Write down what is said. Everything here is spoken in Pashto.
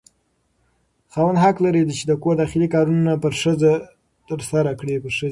خاوند حق لري چې د کور داخلي کارونه پر ښځه ترسره کړي.